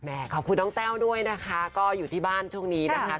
ขอบคุณน้องแต้วด้วยนะคะก็อยู่ที่บ้านช่วงนี้นะคะ